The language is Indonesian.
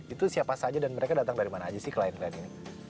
itu siapa saja dan mereka datang dari mana aja sih klien klien ini